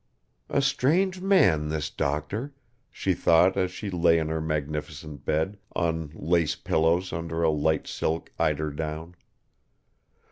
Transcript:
"A strange man this doctor," she thought as she lay in her magnificent bed, on lace pillows under a light silk eiderdown.